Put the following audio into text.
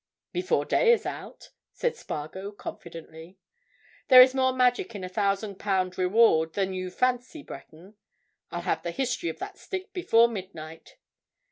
"Before today is out," said Spargo confidently. "There is more magic in a thousand pound reward than you fancy, Breton. I'll have the history of that stick before midnight."